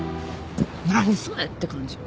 何それって感じ。